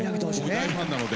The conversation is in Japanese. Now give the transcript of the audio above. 大ファンなので。